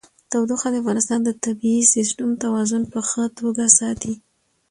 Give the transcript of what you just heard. تودوخه د افغانستان د طبعي سیسټم توازن په ښه توګه ساتي.